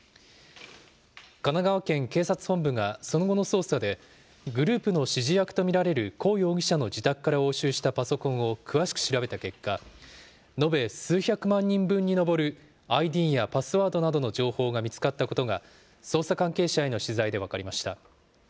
神奈川県警察本部がその後の捜査で、グループの指示役と見られる胡容疑者の自宅から押収したパソコンを詳しく調べた結果、延べ数百万人分に上るＩＤやパスワードなどの情報が見つかったことが、捜査関係者への取材で分かりました。